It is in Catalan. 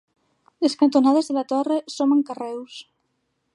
Les cantonades de la torre són amb carreus.